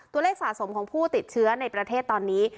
ตัวเลขสะสมของผู้ติดเชื้อในประเทศตอนนี้